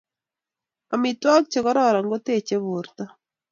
Amitwogik che kororon kotechei borta